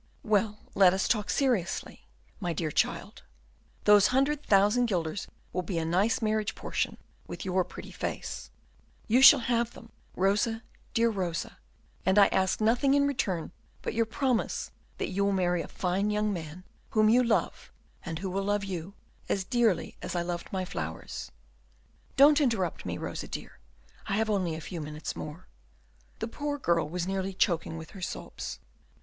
"Well, let us talk seriously, my dear child: those hundred thousand guilders will be a nice marriage portion, with your pretty face; you shall have them, Rosa, dear Rosa, and I ask nothing in return but your promise that you will marry a fine young man, whom you love, and who will love you, as dearly as I loved my flowers. Don't interrupt me, Rosa dear, I have only a few minutes more." The poor girl was nearly choking with her sobs.